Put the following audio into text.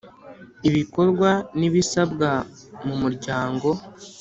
ibikorwa n ibisabwa mu Muryango